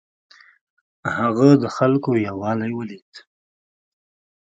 هغه د خلکو یووالی ولید.